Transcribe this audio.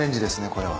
これは。